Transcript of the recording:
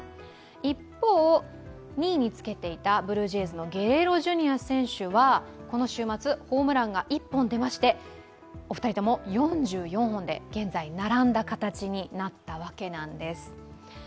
一方、２位につけていたブルージェイズのゲレーロジュニア選手はこの週末ホームランが１本出まして、お二人とも４４本で、現在並んだ形になったわけなんです。